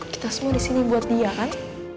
kita semua disini buat dia kan